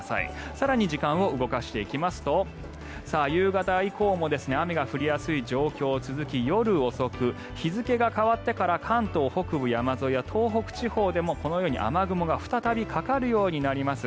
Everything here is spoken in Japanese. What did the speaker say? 更に時間を動かしていきますと夕方以降も雨が降りやすい状況が続き夜遅く、日付が変わってから関東北部、山沿いは東北地方でもこのように雨雲が再びかかるようになります。